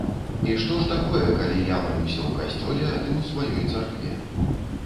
І што ж такое, калі я малюся ў касцёле, а ты ў сваёй царкве?